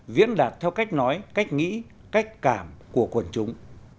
diễn đạt theo cách nói cách nghĩ cách cảm của quần chúng